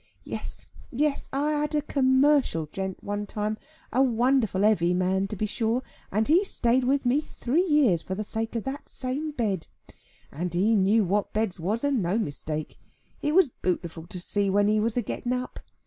Yes, yes; I had a commercial gent one time, a wonderful heavy man to be sure, and he stayed with me three year for the sake of that same bed. And he knew what beds was, and no mistake. It was bootiful to see when he was a getting up.